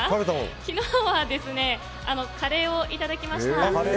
昨日はカレーをいただきました。